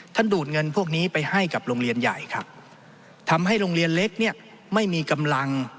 ดูดเงินพวกนี้ไปให้กับโรงเรียนใหญ่ครับทำให้โรงเรียนเล็กเนี่ยไม่มีกำลัง